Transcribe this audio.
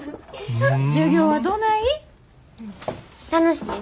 授業はどない？